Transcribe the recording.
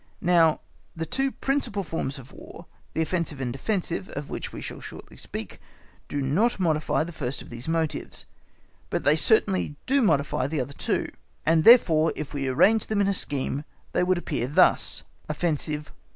Now the two principal forms of War, the offensive and defensive, of which we shall shortly speak, do not modify the first of these motives, but they certainly do modify the other two, and therefore if we arrange them in a scheme they would appear thus:— OFFENSIVE.